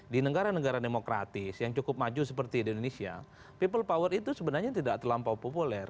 di negara negara demokratis yang cukup maju seperti di indonesia people power itu sebenarnya tidak terlampau populer